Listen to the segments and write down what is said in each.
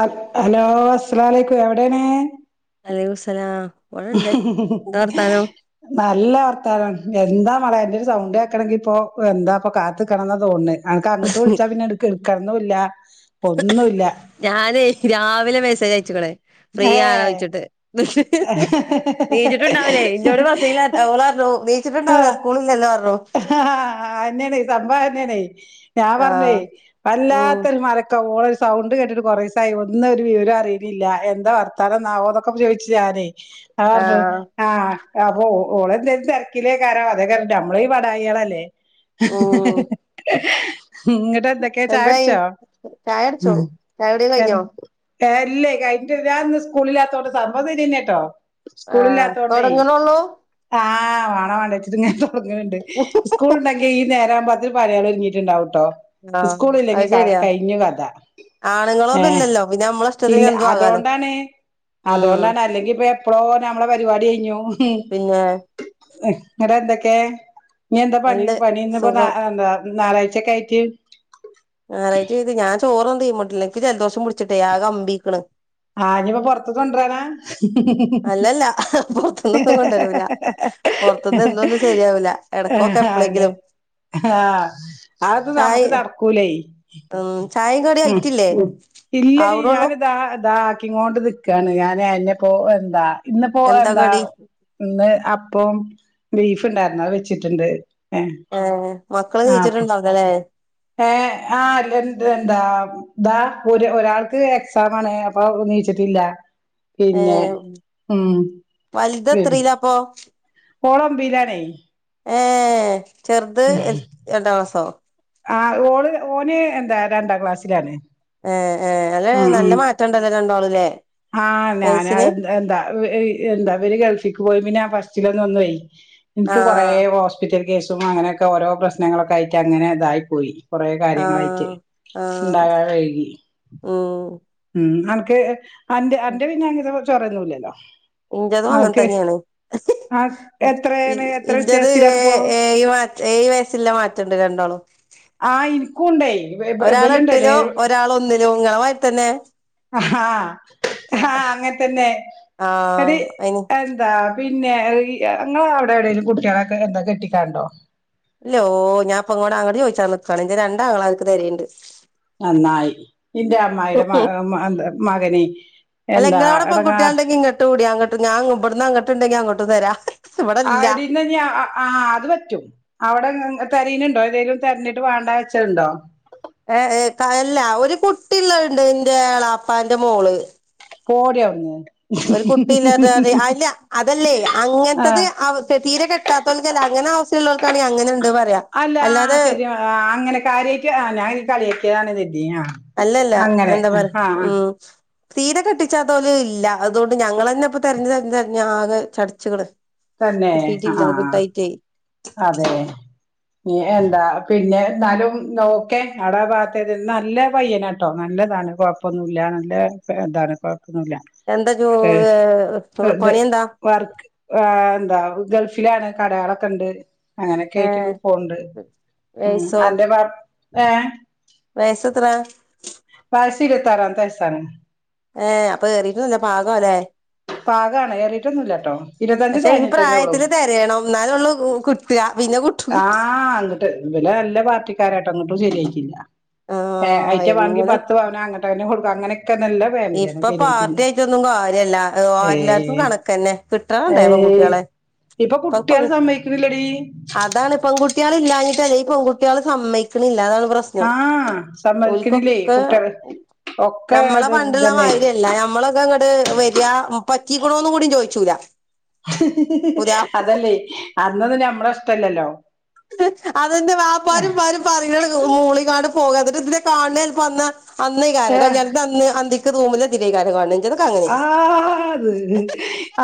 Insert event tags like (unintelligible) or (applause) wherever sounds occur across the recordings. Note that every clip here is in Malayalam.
അൽ ഹലോ അസ്ലാമലേക്കും. എവിടേണ്? വ അലൈക്കും മുസ്സലാം ഇവിടെണ്ട്. എന്താ വർത്താനം? നല്ല വർത്താനം. എന്താ മളെ അയ്ന്റെ ഒരു സൗണ്ട് കേക്കണെങ്കി ഇപ്പൊ എന്താ ഇപ്പൊ കാത്ത് നിക്കണന്ന തോണ്ണ്. അനക്ക് അങ്ങട്ട് വിളിച്ചാ പിന്നെ എടു എടുക്കണന്നൂല്ല ഒന്നും ഇല്ല. ഞാന് രാവിലെ മെസ്സേജ് അയച്ചേക്കണ്. ഫ്രീ ആണോ ഏഹ് ചോയ്ച്ചിട്ട്. നീച്ച്ട്ടുണ്ടാവില്ലേ. ഇന്നോട് ഫസീല പറ ഓളു പറഞ്ഞു നീ എണീച്ചിട്ടുണ്ടാവില്ല. സ്കൂള് ഇല്ലല്ലോ പറഞ്ഞു. അതന്നെയാണേ സംഭവം അതന്നെയാണേ. ഞാൻ പറഞ്ഞേ ആഹ് ഉം വല്ലാത്ത ഒരു മലക്കാ ഓള് സൗണ്ട് കേട്ടിട്ട് കൊറേസായി. ഒന്ന് ഒരു വിവരം അറിയണില്ല. എന്താ വർത്താനം എന്നാവോക്കെ ചോദിച്ചു. ഞാനെ ഞാൻ പറഞ്ഞു. ആഹ് ആഹ് അപ്പൊ ഓ ഓളെ എന്തെങ്കിലും തിരക്കിലായി കാരോ അതേ നമ്മള് ഈഹ് ബഡായികളല്ലേ. ഉം ഇങ്ങട്ട് എന്ത ക്കേ ചായ എന്തായി കുടിച്ചോ ചായുട്ച്ചോ ചായുടി കഴിഞ്ഞോ എന്ത അല്ലേ. കഴിഞ്ഞട്ട് ഞാൻ ഇന്ന് സ്കൂളില്ലാത്തോണ്ട് സംഭവം ഇത് തന്നെട്ടോ. ആഹ് സ്കൂളില്ലാത്തോണ്ടേ. തൊടങ്ങ്ണൊള്ളൂ ആഹ് വേണോ വേണ്ടെന്നു വച്ചിട്ട് ഇങ്ങനെ തുടങ്ങണുണ്ട്. സ്കൂൾ ഉണ്ടെങ്കി ഈ നേരാകുമ്പോ അതിൽ പണികൾ ഒരുങ്ങിയിട്ടുണ്ടാവൂട്ടോ. ആഹ് സ്കൂള് അത് ഇല്ലെങ്കി ശെരിയാ കഴിഞ്ഞു കഥ. ഏഹ് ആണ്ങ്ങളൊന്നുല്ലല്ലോ പിന്നെ നമ്മളെ ഇഷ്ടത്തിന് ഇല്ല എന്തും ആകാലോ അതുകൊണ്ടാണ്. ഉം അതുകൊണ്ടാണ് അല്ലെങ്കി ഇപ്പ എപ്പളോ നമ്മളെ പരിപാടി കഴിഞ്ഞു. പിന്നെ ഇങ്ങടെ എന്തൊക്കെ. ഇനീ എന്താ പണി നല്ല പണി കഴിഞ്ഞപ്പേ ഞാ സുഖം എന്താ. ഞായറാഴ്ചയൊക്കെ ആയിട്ട്. ഞായറാഴ്ചയായിട്ട് ഞാൻ ചോറുണ്ട്. തീ ഇമ്മട്ടിലേക്ക് ജലദോഷം പിടിച്ചിട്ടേ ആകെ അമ്പിയീക്കണ്. ആഹ് ഇനിയിപ്പോ പുറത്തക്ക് കൊണ്ടരാനാ. അല്ല അല്ല പുറത്തന്ന് ഒന്നും കൊണ്ടരൂല. പുറത്തുന്ന് എന്നൊന്നും ശരിയാവൂല്ല. ഇടക്കൊക്കെ അതെ എപ്പളെങ്കിലും. ആഹ് അത് ഒന്നും ചായ നമുക്ക് നടക്കൂലേ. ഉം ചായക ഉം ഇല്ലടി. ഞാന് ഇതാ ഇതാക്കി ക്കീകൊണ്ട് നിക്കാണ്. ഞാന് അയ്നിപ്പോ എന്താ? ഇന്നിപ്പോ എന്താ? ഇന്ന് അപ്പോം ബീഫ് ഉണ്ടായിരുന്നു. അത് വെച്ചിട്ടുണ്ട്. ഏഹ് ആഹ് മക്കള് ആഹ് അപ്പൊ എനീച്ചിട്ടുണ്ടാർന്നല്ലേ. ഏഹ് ആഹ് രണ്ട് രണ്ടാ. ദാ ഒരു ഒരാൾക്ക് എക്സാമാണ്. അപ്പൊ എണീച്ചിട്ടില്ല. പിന്നെ ഏഹ് ഉം പി അപ്പോ ഓള് ഒമ്പീയിലാണെ. ഏഹ് ചെറുത് രണ്ടാം ക്ലാസോ? ആഹ് ഓള് ഓന് എന്താ രണ്ടാം ക്ലാസ്സിലാണ്. ഏഹ് ഏഹ് അല്ല ഉം ഉം നല്ല മാറ്റണ്ടല്ലോ രണ്ടാളുംല്ലേ ആഹ് ഞാന് അത് വയസിന് അത് എന്താ. എന്താ ഇവര് ഗൾഫ്ക്ക് പോയി. പിന്നെ ഫസ്റ്റിലൊന്നേ ഒന്നേയ് എനിക്ക് കൊറെ ആഹ് ഹോസ് പിറ്റൽ കേസും അങ്ങനെയൊക്കെ ഓരോ പ്രശ്നങ്ങളൊക്കെ ആയിട്ട് അങ്ങനെ ഇതായി പോയി. കുറെ കാര്യങ്ങളായിട്ട്. ആഹ് ഉണ്ടാകാൻ വൈകി. ഓഹ് ഉം അനക്ക് അന്റെ അന്റെ പിന്നെ അങ്ങനത് ചൊറയൊന്നൂല്ലല്ലോ. ഇൻ്റെതും അങ്ങനെ തന്നെയാണ്. ആ എത്രയാണ് എത്ര ഇൻഡത് ത് വ്യത്യാസത്തിലാണിപ്പോ ഏ ഏ മാ ഏ വയസ്സല്ല മാറ്റണ്ട് രണ്ടോളും ആഹ് ഇനിക്കുംണ്ടായി ബലുണ്ടല്ലേ ഒരാള ഒന്നിലുംങ്ങളമാരി തന്നെ ആഹ് ആഹ് അങ്ങനെ തന്നെ ആഹ് എടി അയിന് എന്താ പിന്നെ ഇങ്ങളെ അവിടെ എവിടെലും കുടിയാളെ കെട്ടിക്കാണ്ടോ ഇല്ലോ ഞാഅപ്പൊങ്ങോട്ട അങ്ങോ ചോദിച്ചാ നിൽക്കുവാണ് എന്റെ രണ്ടാളാർക്ക് തെരുണ്ട് നന്നായി എന്റെ അമ്മ്മയുടെ മ മകനെ അല്ല എന്താ നിങ്ങളവിട എടങ്ങാർ പെൺകുട്ടികളണ്ടെങ്ക ഇട്ട കൂടി അങ്ങോട്ട ഞാ ഇടന്ന് അങ്ങട്ടണ്ടങ്കിൽ അങ്ങോട്ടും തരാം അവിടന്ന് ഞാ ആഹ് അത് പറ്റും അവിടെ തെരനുണ്ടോ ഏതെങ്കിലും തെരഞ്ഞിട്ട് വണ്ട വെച്ചതുണ്ടോ ഏഹ് അല്ല ഒരു കുട്ടിയള്ള ഉണ്ട് എന്റെ ആളാപ്പാന്റെ മോള് പോടിയട്ന്ന് ഒരു കുട്ടില്ല അത അല്ല അതല്ലേ ആ അങ്ങനത്തത് തീരെ കെട്ട കിട്ടാത്തൾക്കല്ല അങ്ങനെ അവസ്ഥയുള്ളള്ളവൾക്കാണെങ്കിൽ അങ്ങനെ ഉണ്ട് പറയാ അല്ലാെതെ ആഹ് അങ്ങനെ കാര്യയിട്ട് ആഹ് ഞാൻകരുതി കളിയക്കിയതാണ് കരുതി അ അല്ലല്ല എന്താ പറ ഉം തീരെ കെട്ടിച്ചാതോൽ ഇല്ല അതുകൊണ്ട് ഞങ്ങൾ തന്നെ ഇപ്പ തതിരഞ്ഞു തെരഞ്ഞ തഞ്ഞ ആകെ ചടച്ചുകള് തന്നെ കിട്ടിയിട്ടില്ല ആഹ് കിട്ടായിട്ടേ അതെ എന്താ പിന്നെ എന്നാലും നോക്കെ അടാ ഭാഗത്ത നല്ല പയ്യന കേട്ടോ നല്ലതാണ് കുഴപ്പൊന്നുല്ല നല്ല താണ് കുഴപ്പൊന്നുല്ല എന്താ ജോ പണി എന്ത വർക്ക് ആഹ് എന്താ ഗൾഫിലാണ് കടളൊക്കെ ഉണ്ട് അങ്ങനെയൊക്കെ ആയിട്ട് ഏഹ് പോണ്ട് ഉം വയസ്സോ അന്റെ ഏഹ് വയസത്ര വയസ് ഇരിപതാറമത്തെ വയസാണ് ഏഹ് അപ്പൊ ഏറിയിട്ടൊന്നുമില്ല പാകം അല്ലേ പാകണ് എറിട്ടൊന്നുല്ലട്ടോ ഇരുപത്തഞ്ച് പക്ഷെ ഈ തകഞ്ഞിട്ട്ന്നെ ഉളൂ പ്രായത്തില് തിരയണം എന്നാലേ ഉള്ളൂ കിട്ടുക പിന്നെ കിട്ടൂല ആഹ് ഇബൽ നല്ല പാർട്ടിക്കാരായിട്ട് അങ്ങോട്ടും ശരിയായിക്കില്ല ആ ഐറ്റവാണങ്കി എങ്ങനെ പത്ത് പവന അങ്ങട്ട് അ കൊക്ക അങ്ങനൊക്കെ നല്ല ഫാമിലിയാണ് ഇപ്പൊ ശരിയായിട്ടില്ല പാർട്ടി ആയിട്ടൊന്നും കാര്യല്ല ആരെല്ലാർക്കും ഏഹ് കണക്കന്നെ കിട്ടാണ്ടേ ഏഹ് പെൺകുട്ടികളെ ഇപ്പൊ പ കുട്ട്യാള് സമ്മയ്ക്ക്ണില്ലെടീ അതാണ് പെൺകു കുട്ടികളില്ലാഞ്ഞിട്ടല്ല ഈ പെൺുട്ടികള് സമ്മയ്ക്കുന്നില്ല അതാണ് പ്രശ്നം ആഹ് സമ്മതിക്കണില്ലേ ഓൽക്കൊക്കെ കുട്ടികള് ഒക്കെ ഇത് തന്നെ അല്ല ഞമ്മളൊക്കെ അങ്ങോട്ട് വരിക പറ്റിക്കണോന്ന് കൂടി ചോദിച്ചൂല പുതിയ അതല്ലേ അന്നന്നും നമ്മള ഇഷ്ടല്ലല്ലോ അതെന്റ വാപ്പാരും ഏഹ് ഇമ്മാരും പറയണത് മൂളിങ്ങാണ്ട് പോകാ എന്നിട്ട് നിന്ന കാണാ ചെലപ്പ അന്നാ അന്നേ കല്യാണത്തിന്റെ അന്ന് അന്തിക്ക് (unintelligible) ആത്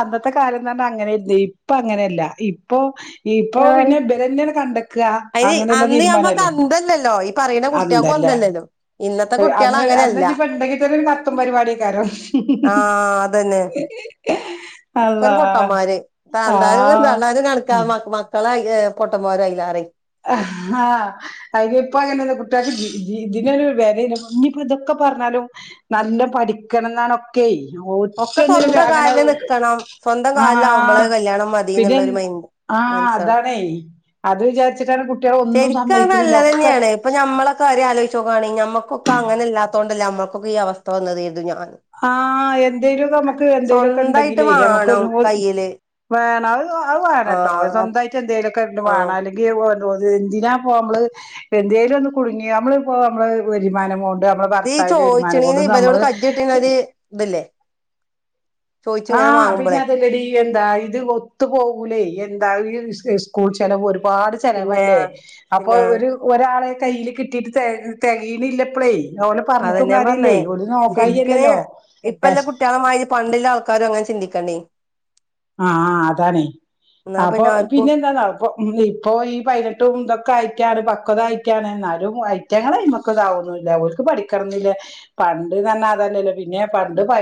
അന്നത്തെ കാലംന്ന് പറഞ്ഞാ അങ്ങനെല്ലേ ഇപ്പ അങ്ങനെയല്ല ഇപ്പൊ ഇപ്പോ അങ്ങനെ പിന്നെ (unintelligible) കണ്ടെക്ക അങ്ങനെയല്ലാം തീരുമാനല്ലേ ല്ലോ ഈ പറയുന്ന കുട്ടികൾക്ക് അന്തല്ല അന്താല്ലല്ലോ ഇന്നത്തെ കുട്ടികള് അങ്ങനെയല്ല ഇണ്ടെങ്കി തന്നെ (unintelligible) പരിപാടിക്കാരോ ആഹ് അതന്നെ ഒക്കെ അള്ളാ ഒരു പൊട്ടന്മാര് ആഹ് (unintelligible) മക്കളായി പൊട്ടൻമ്മാര് (unintelligible) ആഹ് അതിനിപ്പ അങ്ങനെന്ന കുട്ടിയോക്ക് ഇതിനൊരു വിലയില്ല ഇനിപ്പോ ഇതൊക്കെ പറഞ്ഞാലും നല്ല പഠിക്കണം എന്നാണ് ഒക്കെ ഒക്കെ ഒറ്റന്നിനും സ്വന്തം അങ്ങനെ കാലിൽ നിക്കണം സ്വന്തം ആ കാലിലാവുമ്പോളെ കല്യാണം മതി പിന്നെ എന്നുള്ളൊരു മൈൻഡ് ആഹ് മനസ്സാണ് അതാണേ അത് വിചാരിച്ചിട്ടാണ് കുട്ടികള് ഒന്നും ശരിക്കും അത് സമ്മയിക്കണില്ല നല്ലത് ഒക്കെ തന്നെയാണ് ഇപ്പൊ നമ്മളൊക്കെ ആ കാര്യം ആലോചിച്ചു നോക്കാണേ ഞമ്മക്കൊക്കെ അങ്ങനെല്ലാത്തതൊണ്ടല്ലേ നമ്മക്കൊക്കെ ഈ അവസ്ഥ വന്നതേതു ഞാൻ ആഹ് എന്തേലും നമുക്ക് എന്തേലും ഒക്കെ സ്വന്തായിട്ട് ഇണ്ടെങ്കിലേ നമുക്ക് വാണം കയ്യില് വേണ ആഹ് എന്തേലുംക്കെ ആഹ് വേണേലു എന്തിനാപ്പോ നമ്മള് എന്തേലും ഒന്ന് കുടുങ്ങിയ നമ്മള ഇപ്പോ നമ്മള് വരുമാനമോ നമ്മള് ഭർത്താവിന്റെ വരുമാനം കൊണ്ടും നമ്മള് ഒര് ഇതില്ലേ ആഹ് പിന്നെ അതെല്ലടി എന്താ ഇത് ഒത്തു പോകൂലേ എന്താ ഈ സ്കൂൾ ചെലവ് ഒരു ഒരുപാട് പിന്നെ ചെലവല്ലേ അപ്പൊ പിന്നെ ഒരു ഒരാളെ കയ്യിൽ കിട്ടിട്ട് തെകേണില്ലപ്പളേ ഓലെ പറഞ്ഞിട്ടും അതന്നെ ഞാൻ പറഞ്ഞേ കാര്യല്ലേ ഓല് നോക്കായി അല്ലല്ലോ പണ്ട്ല്ലേലും ആൾക്കാരും അങ്ങനെ ചിന്തിക്കണ്ടേ ആഹ് ആഹ് അതാണേ എന്നാ അപ്പൊ ആർക്കും പിന്നെ എന്താന്നോ ഇപ്പോ ഈ പൈനട്ട് ഇതൊക്കെ ആയിട്ടാണ് പക്വത ആയിട്ടാണ് എന്നാലും അയ് (unintelligible) ആവണില്ല ഓല്ക്ക് പഠിക്കണന്നില്ലെ പണ്ട് തന്നെ അതല്ലല്ലോ പിന്നെ പണ്ട് പ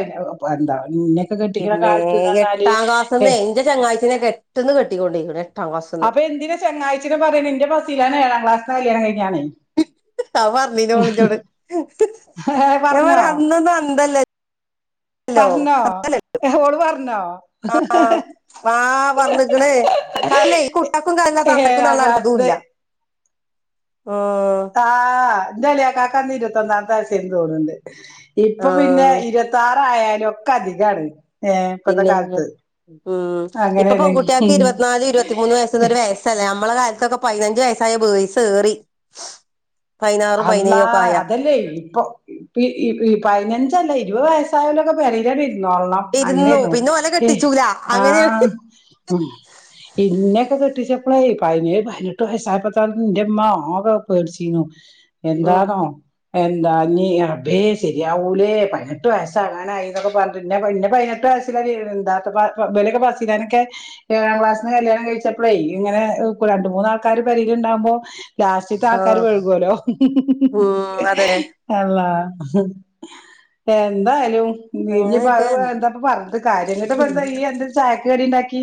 എന്താ ന്നെ കെട്ടിക്കണ കാലത്ത് പറഞ്ഞാല് ഏ എട്ടാംക്ലാസ്ന്നെ ഇന്റെ ചങ്ങായ്ച്ചിനെ പെട്ട്ന്ന് കെട്ടിക്കൊണ്ടേയ്ക്കണ് അപ്പൊ എന്തിനാ ചങ്ങായ്ച്ചനെ പറയ്ണ് ഇന്റെ ഫസിലാനെഏഴാം ക്ലാസ്സിന്നാ കല്യാണം കഴിഞ്ഞാണേ അയ് പറഞ്ഞീനിം ഓള് ഇഞ്ഞോട് ഞാൻ പറ അന്നൊന്നും അന്തല്ലേ ഉ (unintelligible) പർഞ്ഞിക്കണേ (unintelligible) ഈ കുട്ട്യാക്കും തന്തക്കും ഏഴാം തള്ളക്ക് അതും ക്ലാസ്ത്തെ ഇല്ല ആഹ് ഇന്റെ എളേക്കാക്കാൻ്റെ ഇരുപത്തൊന്നാമത്തെ വർഷാരുന്ന് തോന്നുണ്ട് ഇപ്പൊ പിന്നെ ആഹ് ഇരുപ ഇരുതാറായാലും ഒക്കെ അധികാണ് ഏ ഇപ്പത്തെ പിന്നെ ഉം കാലത്ത് ഇപ്പൊ അങ്ങനെയാണ് പെൺകുട്ട്യാക്ക് ഇരുപത്തിനാല് ഇരുപത്തിമൂന്ന് ഒരു വയസ് ല്ലേ നമ്മള കാലത്തൊക്കെ പതിനഞ്ച് വയസ്സായ (unintelligible) ഏറി പതിനാറും അള്ളാ പതിനേഴും ഒക്കെ ആയ അതല്ലേ ഇപ്പൊ ഈ പതിനഞ്ചല്ല ഇരുപത് വയസ്സായാലൊക്കെ പെരേല്‌ ഇരുന്നോളണം അങ്ങനെ ഇരുന്നു ആയിരുന്നു പിന്നെ ഓലെ ഏഹ് കെട്ടിച്ചൂല അങ്ങനെ ആഹ് ഇന്നേക്കെ കെട്ടിച്ചപ്പളേ പയിനേഴ്, പൈനെട്ട്‌വയസായപ്പക്കെ ന്റെമ്മ ആകെ പേടിച്ചീനു. ഉം എന്താന്നോ? എന്താ ഞ്ഞ് റബ്ബേ ശരിയാവൂലേ പയ്നെട്ട് വയസാകാനായി ന്നൊക്കെ പർഞ്ഞ് ന്നെ പൈ ന്നെ പൈനെട്ട് വയ (unintelligible) ബെലൊക്കെ ഫസീലാനെക്കെ ഏഴാം ക്ലാസ്ന്ന് കല്യാണം കഴിച്ചപ്പെ ളേ ഇങ്ങനെ രണ്ട്, മൂന്ന ആൾക്കാര് പെരേല് ണ്ടാവ്മ്പോ ലാസ് റ്റ്ത്ത ആൾക്കാര് ആഹ് വഴ്കോലോ ഉം അതന്നെ അള്ളാ ഉം. എന്താലും. ഞ്ഞ് ഇഞ്ഞ്പ്പ അഹ് അങ്ങനെയൊക്കെ (unintelligible) പർഞ്ഞ്ട്ട് കാര്യ ന്നട്ട്പ്പന്തായി. ഈ എന്താചായാക്കടി ണ്ടാക്കി?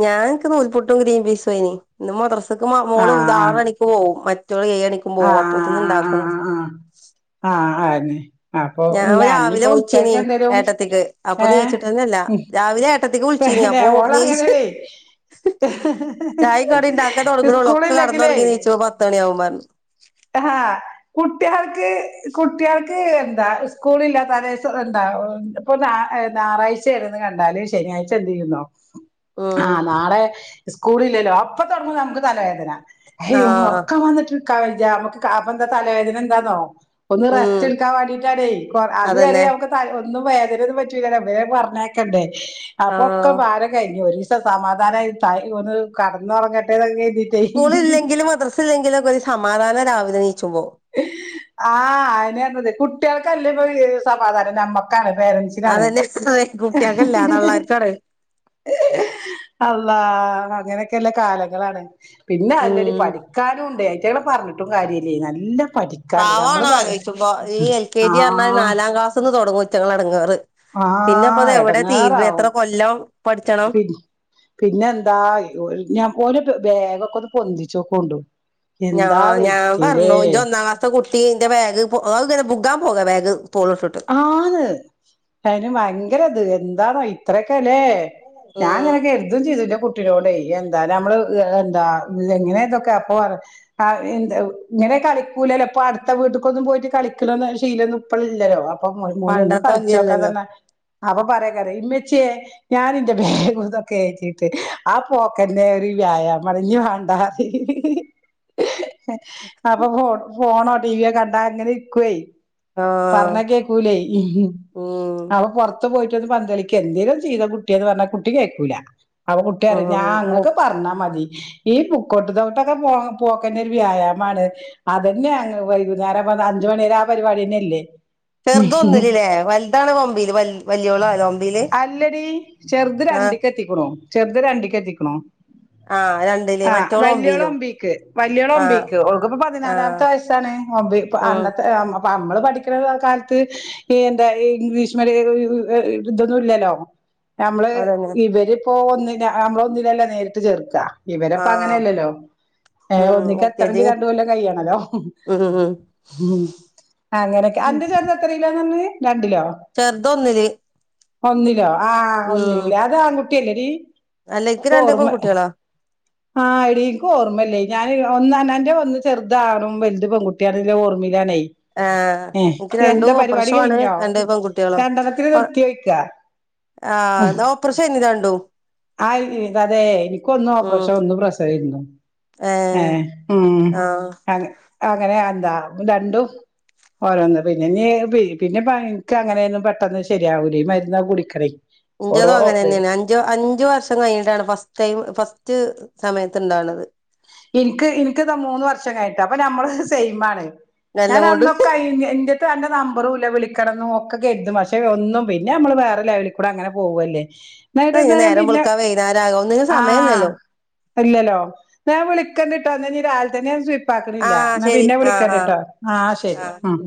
ഞാ ൻക്ക് നൂൽപുട്ടും ഗ്രീൻ പീസേ നി. ന്ന് മദ്രസ്ക്ക് മൗ മോള് ആറണി പോവും. മറ്റോള് ഏഴെണിക്ക് ആഹ് ആഹ് ആഹ് ആഹ് ആഹ് ആഹ് ആഹ്. ആഹ് ആഹ് ആഹ് ആന്നെ അപ്പൊ ഞാൻ ന്നാ രാവിലെ ഞ്ഞിപ്പോ വിളിച്ചീനി ഉച്ചക്കെന്തേലും ഏട്ടത്തിക്ക് അപ്പൊ ഏഹ് നീച്ചിട്ടന്നെല്ല ഉം രാവിലെ ഏട്ടത്തിക്ക് വി ന്നെ. ഓളങ്ങനേണേ. ചായിം കടിം ഇണ്ടാക്കാൻ തൊടങ്ങ്ണൊള്ളൂ ഒക്കെ സ്കൂളില്ലെങ്കിലെ കടന്നൊറങ്ങി നീച്ചുമ്പോ പത്ത് മണിയാവും പറഞ്ഞു ആഹ് കുട്ട്യാൾക്ക്, കുട്ട്യാൾക്ക് എന്താ. സ്കൂളില്ലാ തലേസം എന്താ പ്പം ഞാറാ ഏഹ്. ഞാറാഴ്ച്ചേണ് കണ്ടാല് ശനിയാഴ്ച എന്തെയ്യുന്നോ. ഉം ആഹ് നാളെ സ്കൂളില്ലല്ലോ അപ്പ തൊടങ്ങു ക്ക് തലവേദന ഹേയ് ആഹ് മ്മുഒർക്കം വന്ന്ട്ട് കവ് ജാമു അപ്പന്താ തലവേദന ന്താന്നോ ഒന്ന് ഉം റസ്റ്റ്ട് ക്കാവാണ്ടിട്ടാണേ. കൊറ അത് വരേ അതന്നെ അവക്ക് താ ഒന്നും വേദനൊന്നും പറ്റൂലല്ലോ. വേം പർഞ്ഞേക്കണ്ടേ. അപ്പോക്കെ ആഹ് (unintelligible) ക്കയ്ഞ്ഞി. ഒരിസം സമാധാനായി തായ് ഒന്ന് കട്‌ന്നൊറങ്ങട്ടേന്ന (unintelligible) സ്കൂള് ഇല്ലെങ്കിലും മദ്രസ് ഇല്ലെങ്കിലൊക്കൊര് സമാധാന രാവിലെണീച്ചുമ്പൊ. ആഹ്. അയിനേർഞ്ഞത്. കുട്ടികൾക്കല്ലേ ഇപ്പ ഈ സമാധാനം ഞമ്മക്കാണ്. പേരൻസ് അതന്നെ. കുട്ട്യൾക്കല്ല. തള്ളാർക്കാണ്. അള്ളാ. അങ്ങനെക്കില്ല കാലങ്ങളാണ് പിന്നെ അല്ലടി ഉം പഠിക്കാനുണ്ട്. അയ്റ്റകളെ പർഞ്ഞിട്ടും കാര്യല്ലേ. നല്ല പഠി പാവണാലോയിക്കുമ്പോ. ഈ എൽ കെ ജി അർണാൽ ആഹ് നാലാം ക്ലാസ്ന്ന് തൊടങ്ങും ഇറ്റങ്ങടെ എടങ്ങേറ്. പിന്നെപ്പത് ആഹ് എവ്ടെ തീര്ണേ. എത്ര എടങ്ങേറാവും കൊല്ലം പഠിച്ചണം. പിന്നെ എന്താ. ഓല് ഞ്ഞ ഓല് ത് ബേഗൊക്കൊന്ന് പൊന്തിച്ചോക്കോണ്ടു. ഞാ എന്താ വെയിറ്റ്ലേ ഞാപറഞ്ഞു ജൊന്നാ ക്ലാ ത്ത കുട്ടി ന്റെ ബാഗ് പ്പൊ അഹ് ങ്ങന ബ്ഗാം പോക ബാഗ് തോൾട്ട് ആന്ന് അയിന് ഭയങ്കരത്. എന്താണോ ഇത്രയൊക്കെല്ലേ. ഞാൻ ഉം ങ്ങനക്കെ കെര്തും ചെയ്തു. ൻ്റെ പു ട്ടിയോടെ. എന്താ ഞമ്മള് എന്താ ഇങ്ങനേ തൊക്കെ അപ്പോ അ അഹ് ന്താ ങ്ങനെ കളിക്കൂലല്ലോ. പ്പ അട്ത്ത വീട്ട്ക്കൊന്നും പോയിട്ട് കളിക്കലൊന്നും ശീലൊന്നും ഇപ്പ ല്ലല്ലോ? അപ്പ മോ മോനോ ഒന്നു പണ്ടത്തെ മാതിരിയല്ലല്ലോ കളിച്ചോക്കാന്നർ ഞ്ഞാ. അപ്പോ പറേക്കാരം ഇമ്മച്ചിയേ ഞാനിന്റെ ബേഗൂ തൊക്കെ ഏറ്റിട്ട് ആഹ് പോക്കെന്നെ ഒര് വ്യായാമാ റിയും. ഞ്ഞ് വേണ്ടാ അപ്പോ ഫോൺ, ഫോണോ, ടിവിയോ കണ്ടാ അങ്ങനെ ഇരിക്കുവേ ആഹ് ക്കൂലേയ്. ഉം അപ് അപ്പൊ പൊറത്ത് പോയിട്ടൊന്ന് പന്തളിക്കേ എന്തേലും ചെയ്താ കുട്യേന്ന് പറഞ്ഞാകുട്ടി കേക്കൂല. അപ്പൊ കുട്ടിയേറിയും ഞാ ഉം ങ്ങക്ക് പർഞ്ഞാ മതി ഈ ബുക്കോട്ട് തോട്ടൊക്കെ പോകാ പോക്കെന്നെ ഒര് വ്യായാമാണ് അതന്നെ അങ്ങ് വൈകുന്നേരം വന്ന് അഞ്ചു മണിവരെ ആഹ് പരിപാടിന്നെല്ലേ. ചെർത് ഒന്ന്ലല്ലേ. വൽതാണ് ഒമ്പേല് വൽ അല്ലടീ ചെർത് ആഹ് രണ്ട് ക്കെത്തിക്ക്ണു. ചെറുത് രണ്ട് ക്കെത്തിക്ക്ണു. ആഹ് രണ്ടില് ആഹ് മറ്റോള് വല്യോള് ഒമ്പീലും ഒമ്പീക്ക്. വല്യോള് ആഹ് ഒമ്പീക്ക്. ഓൾക്ക് ഇപ്പം ആഹ് പതിനാലാമ്ത്ത വയസ്സാണ് ഒമ്പി ഉം അന്നത്തെ അഹ് ആം അപ്പമ്മള് പഠിക്ക്ണെ ഏ കാൽത്ത് ഈ എന്താ ഇംഗ്ലീഷ് (unintelligible) ഏ ഇതൊന്നുല്ലല്ലോ ഞമ്മള് അതന്നെ ഇവര് ഇപ്പൊ ഒന്നിലാ ഞമ്മള് ഒന്നിലല്ല നേര്ട്ട് ചേർക്കാ ഇവെലെപ്പങ്ങനെ ആഹ് അല്ലല്ലോ ഏഹ് ഉം ഒന്നിക്ക് എൽ കെ എത്തണെങ്കി ജി രണ്ട് കൊല്ലം കൈയണല്ലോ ഉം ഉം ഉം അങ്ങെനൊക്കെ അന്റെ ചെർതെത്രീലാന്നർഞ്ഞ് രണ്ടിലോ ചെർത് ഒന്നില് ഒന്നിലോ ആഹ് ഒന്നില് ഉം ലേ അത് ആങ്കുട്ടി അല്ലെടി അല്ല ഇൻക്ക് രണ്ട് കോർമ്മ പെൺകുട്ടികളാ ആഹ് എടീ ഇക്കോർമ്മല്ലെയ് ഞാന് ഒന്ന് അനന്റ ഒന്ന് ചെർതാണും വൽത് പെങ്കുട്ട്യാണില്ലെ ഓർമ്മീലാണേയ് ആഹ് ഇൻക്ക് രണ്ടു ഓപ്രേശ്വാണ് കഴിഞ്ഞോ രണ്ട് പെങ്കുട്ട്യാളും രണ്ടെണ്ണത്തിന് കൊഴ് നിർത്തിയോയ്ക്കാ ആഹ് ന്നാ ഓപ്പ്രഷേന് രണ്ടും ആഹ് ഇത അതെ ഇനിക്കൊന്ന് ഉം ഓപ്പ്രേഷോ ഒന്ന് പ്രസവേന്നു ഏഹ് ഉം ആഹ് അത് അങ്ങനെ എന്താ രണ്ടും ഓരോന്ന് പിന്നെഞ്ഞ് പി പിന്നെ പ ഇൻക്ക് അങ്ങനേന്നും പെട്ടെന്ന് ശരിയാവൂലേ ഈ മര്ന്നൊകെ കുട്ക്കണേ ഇഞ്ചതും അങ്ങനെന്നേണ് അൻ ഞ്ചു അഞ്ചു വർഷം കൈഞ്ഞിട്ടാണ് ഫസ്റ്റ് ടൈം ഫസ്റ്റ് സമയത്ത് ഇണ്ടാണത് ഇൻക്ക് ഇൻക്കിദാ മൂന്ന് വർഷം കൈട്ടാ അപ്പ നമ്മള് സെയിമാണ് എല്ലാം കൊണ്ട് ഞാനന്നൊക്കൈഞ്ഞ് ഇന്റെ ക്ക് അന്റെ നമ്പറുല്ല വിളിക്കണന്നു ഒക്കെ കേര്തും പഷെ ഒന്നും പിന്നെ അമ്മള് വേറെ ലെവെൽ കൂടെ അങ്ങനെ പോവല്ലേ എന്നിട്ട് അപ്പയ്ന് ഞാൻ നേരം പിന്നെ വെളുക്കാ വെയ്ന്നേരാകും ആഹ് ഇല്ലലോ ഞാൻ വിളിക്കണ്ടിട്ടോ ന്നഞ് രാവിൽത്തന്നെ സുയ് പാക്ണില്ല ആഹ് ഇന്ന ശരി പിന്നെ ആഹ് വിളിക്കണ്ട് ആഹ് ട്ടോ ആഹ് ശരി ഉം